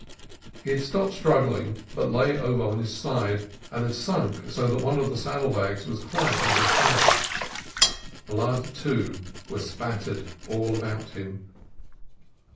He had stopped struggling, but lay over on his side, and had sunk so that one of the saddle bags was quite out of sight. Blood, too, was spattered all about him.